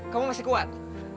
kamu masih kuat